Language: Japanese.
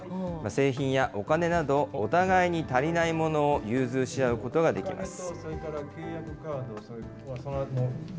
製品やお金など、お互いに足りないものを融通し合うことができます。